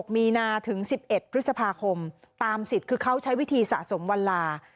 มีนาถึง๑๑พฤษภาคมตามสิทธิ์คือเขาใช้วิธีสะสมวันลา